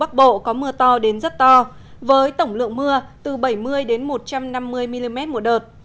bắc bộ có mưa to đến rất to với tổng lượng mưa từ bảy mươi một trăm năm mươi mm một đợt